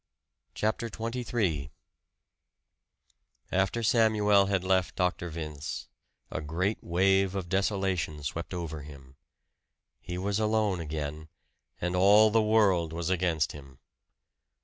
CHAPTER XXIII After Samuel had left Dr. Vince, a great wave of desolation swept over him. He was alone again, and all the world was against him!